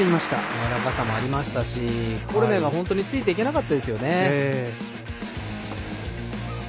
やわらかさもありましたしコルネがついていけてなかったですよね。